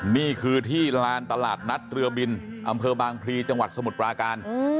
นี่คือที่ลานตลาดนัดเรือบินอำเภอบางพลีจังหวัดสมุทรปราการ